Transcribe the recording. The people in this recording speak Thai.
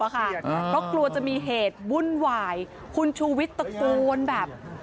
เพราะกลัวจะมีเหตุวุ่นวายคุณชูวิทย์ตะโกนแบบ